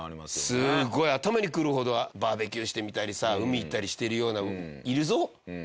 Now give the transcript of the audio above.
すごい頭にくるほどバーベキューしてみたりさ海行ったりしてるようないるぞ。